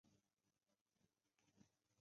自太平洋战争开战初期就开始参加战斗。